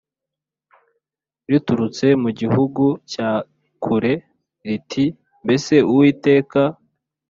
riturutse mu gihugu cya kure riti Mbese Uwiteka